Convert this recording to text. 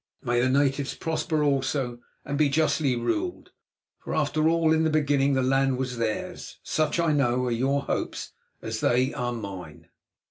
May the natives prosper also and be justly ruled, for after all in the beginning the land was theirs. Such, I know, are your hopes, as they are mine.